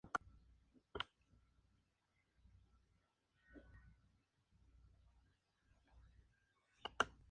Tiene un sabor parecido a la halita pero más amargo.